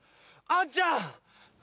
「あんちゃん！」